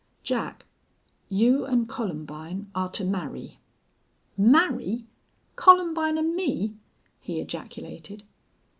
Jack, you an' Columbine are to marry." "Marry! Columbine and me?" he ejaculated.